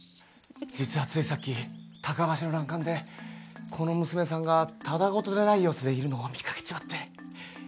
実は、ついさっき高橋の欄干で、この娘さんがただごとでない様子でいるのを見かけちまって。